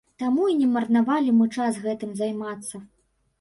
Таму і не марнавалі мы час гэтым займацца.